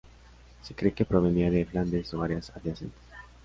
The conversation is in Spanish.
Se cree que provenía de Flandes o áreas adyacentes.